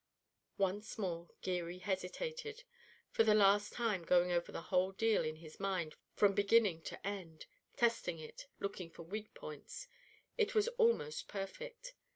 Once more Geary hesitated, for the last time going over the whole deal in his mind from beginning to end, testing it, looking for weak points. It was almost perfect.